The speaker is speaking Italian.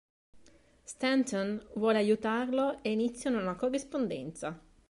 Stanton vuole "aiutarlo" e iniziano una corrispondenza.